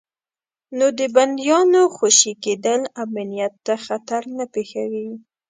نو د بندیانو خوشي کېدل امنیت ته خطر نه پېښوي.